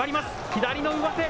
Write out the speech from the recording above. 左の上手。